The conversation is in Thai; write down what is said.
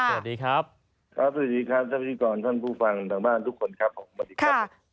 สวัสดีครับท่านผู้ฟังทางบ้านทุกคนครับ